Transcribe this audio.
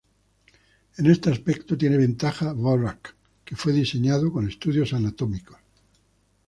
En este aspecto tiene ventaja Dvorak, que fue diseñado con estudios anatómicos.